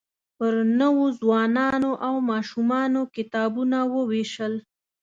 پر نوو ځوانانو او ماشومانو کتابونه ووېشل.